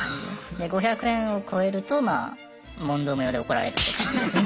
で５００円を超えるとまあ問答無用で怒られるって感じですね。